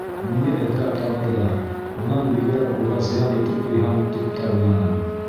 Мине эҙләп табырҙар, унан бигерәк уға зыян итеп ҡуйһам, тип тә уйланым...